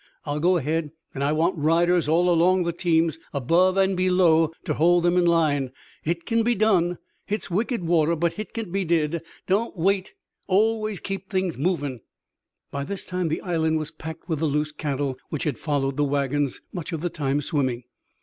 I'll go ahead, an' I want riders all along the teams, above and below, ter hold them ter the line. Hit can be did hit's wicked water, but hit can be did. Don't wait always keep things movin'." By this time the island was packed with the loose cattle, which had followed the wagons, much of the time swimming.